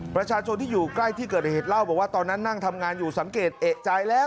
ประชาชนที่อยู่ใกล้ที่เกิดเหตุเล่าบอกว่าตอนนั้นนั่งทำงานอยู่สังเกตเอกใจแล้ว